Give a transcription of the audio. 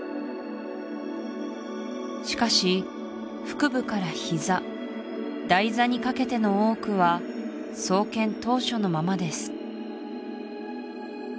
しかし腹部から膝台座にかけての多くは創建当初のままです